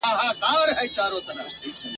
جاله وان ورباندي ږغ کړل ملاجانه !.